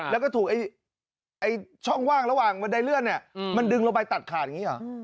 แล้วก็ถูกช่องว่างระหว่างบันไดเลื่อนเนี่ยมันดึงลงไปตัดขาดอย่างนี้หรอ